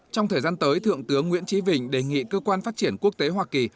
trong thời gian tới thượng tướng nguyễn trí vịnh đề nghị cơ quan phát triển quốc tế hoa kỳ